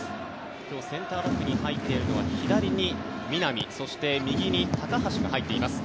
今日センターバックに入っているのは左に南そして右に高橋が入っています。